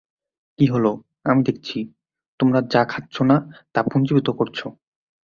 কি হল, আমি দেখছি, তোমরা যা খাচ্ছো না তা পুঞ্জিভূত করছো!